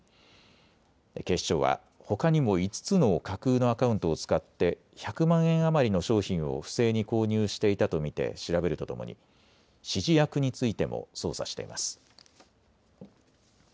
警視庁はほかにも５つの架空のアカウントを使って１００万円余りの商品を不正に購入していたと見て調べるとともに指示役についても捜査しています。